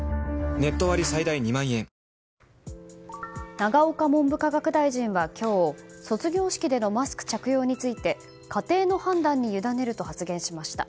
永岡文部科学大臣は今日卒業式でのマスク着用について家庭の判断に委ねると発言しました。